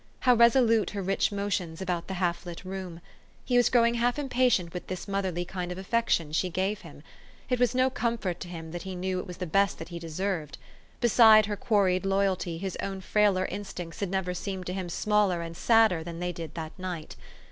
How resolute her rich motions about the half lit room ! He was growing half impatient with this motherly kind of affection she gave him. It was no com fort to him that he knew it was the best that he deserved. Beside her quarried loyalty his own frailer instincts had never seemed to him smaller and sadder than they did that night.